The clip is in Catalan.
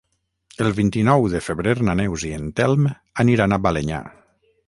El vint-i-nou de febrer na Neus i en Telm aniran a Balenyà.